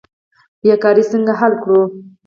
بیکاري څنګه حل کړو؟